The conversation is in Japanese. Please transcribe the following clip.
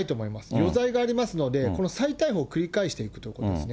余罪がありますので、その再逮捕を繰り返していくということですね。